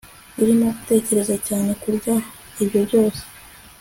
urimo gutekereza cyane kurya ibyo byose